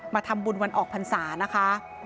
มาทำบุญวันออกพรรษานะคะ